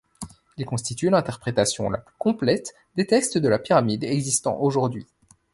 Ils constituent l'interprétation la plus complète des textes de la pyramide existant aujourd'hui.